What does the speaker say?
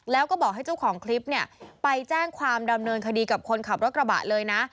แล้วก็บอกให้เจ้าของคลิปเนี่ยไปแจ้งความดำเนินคดีกับคนขับรถกระบะเลยนะ